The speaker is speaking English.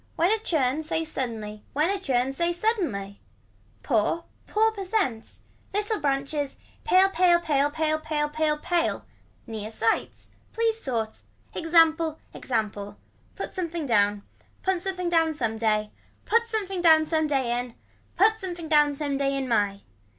When a churn say suddenly when a churn say suddenly. Poor pour percent. Little branches. Pale. Pale. Pale. Pale. Pale. Pale. Pale. Near sights. Please sorts. Example. Example. Put something down. Put something down some day. Put something down some day in. Put something down some day in my.